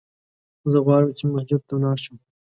زه غواړم چې مسجد ته ولاړ سم!